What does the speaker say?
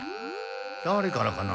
だれからかな？